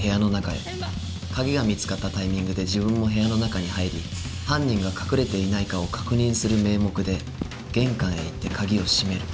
鍵が見つかったタイミングで自分も部屋の中に入り犯人が隠れていないかを確認する名目で玄関へ行って鍵を閉める。